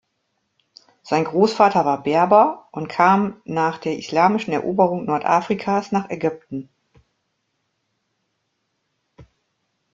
Sein Großvater war Berber und kam nach der islamischen Eroberung Nordafrikas nach Ägypten.